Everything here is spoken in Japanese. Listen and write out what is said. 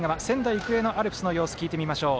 育英のアルプスの様子を聞いてみましょう。